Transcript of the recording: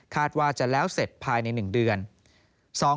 ว่าจะแล้วเสร็จภายใน๑เดือน